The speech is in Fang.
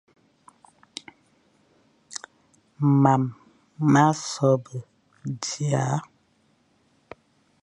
Mam ma sobe dia,